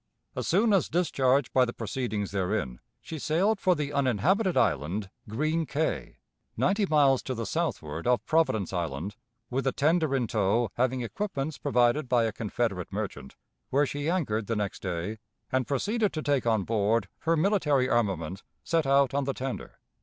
As soon as discharged by the proceedings therein, she sailed for the uninhabited island "Green Kay," ninety miles to the southward of Providence Island, with a tender in tow having equipments provided by a Confederate merchant, where she anchored the next day, and proceeded to take on board her military armament sent out on the tender.